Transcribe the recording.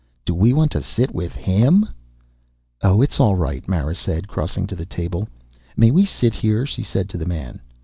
"Do we want to sit with him?" "Oh, it's all right," Mara said, crossing to the table. "May we sit here?" she said to the man.